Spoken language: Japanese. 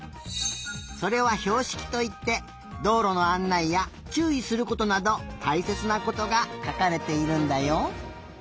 それはひょうしきといってどうろのあんないやちゅういすることなどたいせつなことがかかれているんだよ。